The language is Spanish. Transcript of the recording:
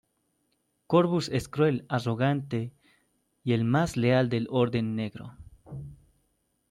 Corvus es cruel, arrogante y el más leal del Orden Negro.